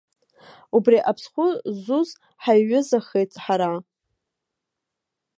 Убри аԥсхәы зуз ҳаиҩызахеит ҳара.